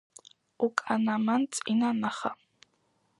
უკანამან წინა ნახა